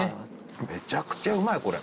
めちゃくちゃうまいこれ。